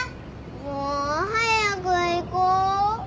もう早く行こう。